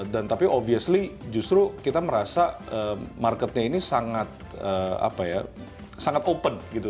dan tapi obviously justru kita merasa marketnya ini sangat open gitu